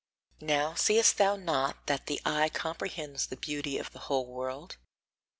Now seest thou not that the eye comprehends the beauty of the whole world?